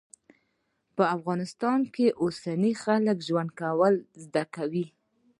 په افغانستان کې اوس خلک ژوند کول زده کوي